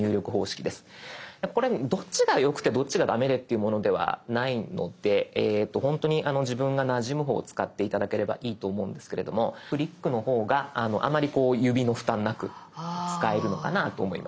これどっちがよくてどっちが駄目でっていうものではないのでえっとほんとに自分がなじむ方を使って頂ければいいと思うんですけれどもフリックの方があまりこう指の負担なく使えるのかなと思います。